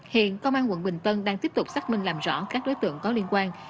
hiện công an quận bình tân đang tiếp tục xác minh làm rõ các đối tượng có liên quan